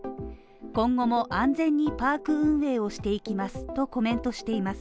今後も安全にパーク運営をしていきますとコメントしています。